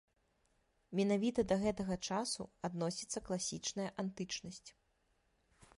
Менавіта да гэтага часу адносіцца класічная антычнасць.